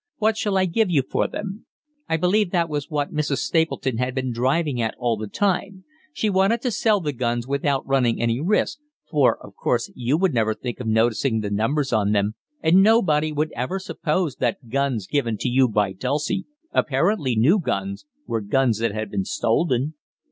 What shall I give you for them?' I believe that was what Mrs. Stapleton had been driving at all the time she wanted to sell the guns without running any risk, for of course you would never think of noticing the numbers on them, and nobody would ever suppose that guns given to you by Dulcie, apparently new guns, were guns that had been stolen.